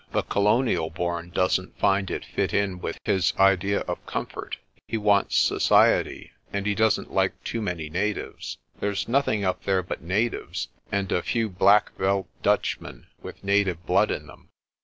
The colonial born doesn't find it fit in with his idea of com fort. He wants society, and he doesn't like too many na tives. There's nothing up there but natives and a few black veld Dutchmen with native blood in them.